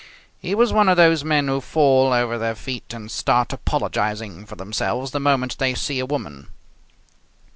He was one of those men who fall over their feet and start apologizing for themselves the moment they see a woman.